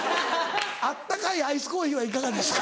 「温かいアイスコーヒーはいかがですか？」。